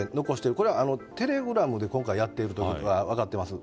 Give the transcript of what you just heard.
これはテレグラムでやっていることが、今回分かってます。